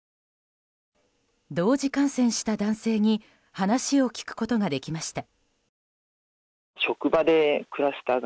同時感染した男性に話を聞くことができました。